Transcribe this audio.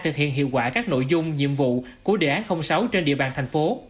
thực hiện hiệu quả các nội dung nhiệm vụ của đề án sáu trên địa bàn thành phố